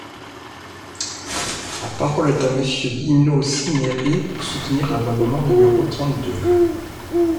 La parole est à Monsieur Dino Cinieri, pour soutenir l’amendement numéro trente-deux.